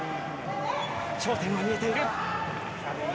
頂点が見えている。